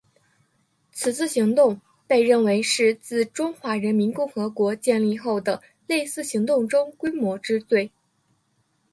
此次行动被认为是自中华人民共和国建立后的类似行动中规模之最。